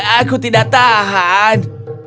aku tidak tahan